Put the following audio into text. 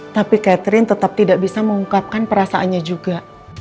tapi catherine tetap tidak bisa mengungkapkan perasaannya juga